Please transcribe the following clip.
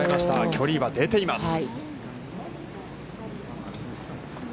距離は出ています。